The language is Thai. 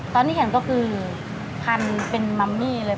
ตอนนี้แข่งก็คือพันเป็นมัมมี่เลย